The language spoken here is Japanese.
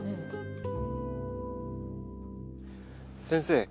先生